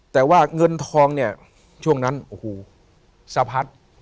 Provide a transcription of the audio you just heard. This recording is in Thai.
แต่ว่าเงินทองเนี่ยช่วงนั้นโอ้โหสะพัด